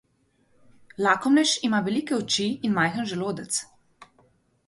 Lakomnež ima velike oči in majhen želodec.